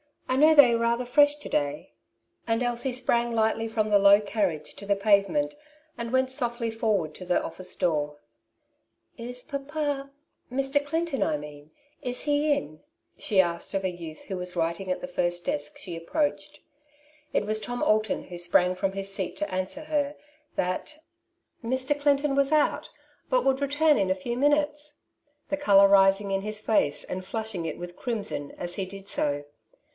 I know they are rather fresh to day/' And Elsie sprang lightly from the low carriage to the pave ^ ment, and went softly forward to the office door. '' Is papa — Mr. Clinton,.! mean — ^is he in? '' she asked of a youth who was writing at the first desk she approached. It was Tom Alton, who sprang from his seat t o answer her that ^' Mr. Clinton was out, but would return in a few minutes,'^ the colour rising in his face and flushing it with crimson as he did so.